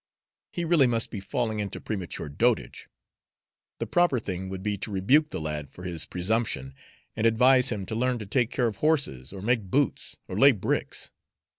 He really must be falling into premature dotage. The proper thing would be to rebuke the lad for his presumption and advise him to learn to take care of horses, or make boots, or lay bricks.